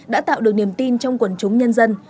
đã tạo được niềm tin trong quần chúng nhân dân